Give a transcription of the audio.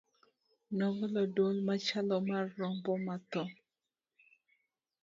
nogolo dwol machalo mar rombo ma tho